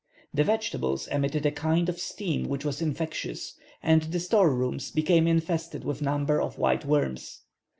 The vegetables emitted a kind of steam which was infectious, and the store rooms became infested with numbers of white worms.